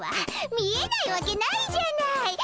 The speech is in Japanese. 見えないわけないじゃないっ！